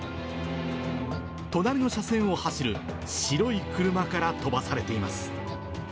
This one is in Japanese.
隣の車線を走る白い車から飛ばされています。